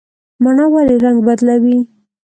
مڼه ولې رنګ بدلوي؟